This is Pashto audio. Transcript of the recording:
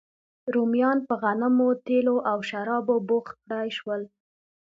رومیان په غنمو، تېلو او شرابو بوخت کړای شول